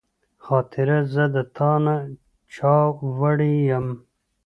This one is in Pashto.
خاطره زه د تا نه چاوړی یم